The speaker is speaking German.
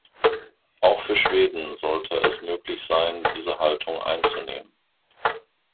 Auch für Schweden sollte es möglich sein, diese Haltung einzunehmen.